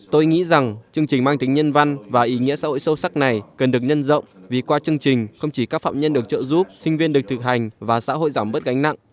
tôi nghĩ rằng chương trình mang tính nhân văn và ý nghĩa xã hội sâu sắc này cần được nhân rộng vì qua chương trình không chỉ các phạm nhân được trợ giúp sinh viên được thực hành và xã hội giảm bớt gánh nặng